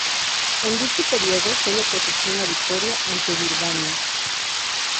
En dicho periodo, solo cosechó una victoria, ante Birmania.